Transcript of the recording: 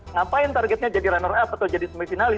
ngapain targetnya jadi runner up atau jadi semifinal